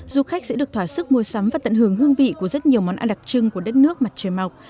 du khách sẽ được thỏa sức mua sắm và tận hưởng hương vị của rất nhiều món ăn đặc trưng của đất nước mặt trời mọc